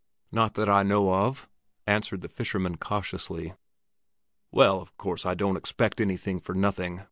"Not that I know of," answered the fisherman cautiously. "Well, of course I don't expect anything for nothing!